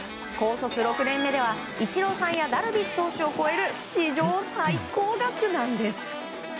高卒６年目では、イチローさんやダルビッシュ投手を超える史上最高額なんです。